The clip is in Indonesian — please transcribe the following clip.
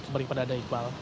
kembali kepada daikbal